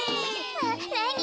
ななに？